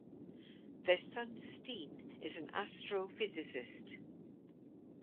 Their son Steen is an astrophysicist.